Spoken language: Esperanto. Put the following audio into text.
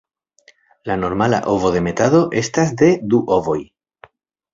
La normala ovodemetado estas de du ovoj.